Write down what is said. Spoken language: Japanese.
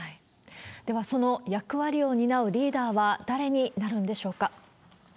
ではその役割を担うリーダーは誰になるんでしょうか。